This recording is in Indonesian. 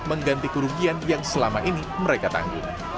mengganti kerugian yang selama ini mereka tanggung